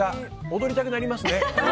踊りたくなりますね。